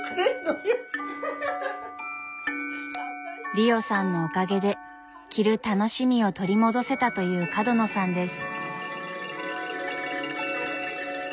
リオさんのおかげで着る楽しみを取り戻せたという角野さんです。